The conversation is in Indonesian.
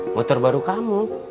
motor baru kamu